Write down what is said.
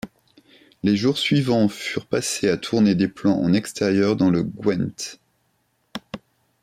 Les jours suivants furent passés à tourner des plans en extérieur dans le Gwent.